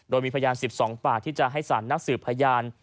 โดยมีพยาน๑๒ปากที่จะให้สารนัดสืบพยาน